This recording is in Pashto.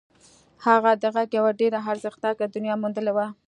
هغه د غږ یوه ډېره ارزښتناکه دنیا موندلې وه